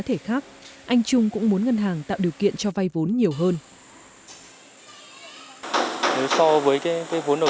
thể khác anh trung cũng muốn ngân hàng tạo điều kiện cho vay vốn nhiều hơn so với cái vốn đầu